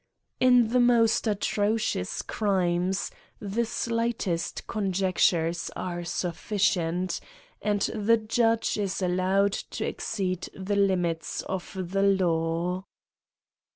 In the most atrocious crimes^ the slightest conjectures are sufficients and the judge is allowed to exceed the limits of the law..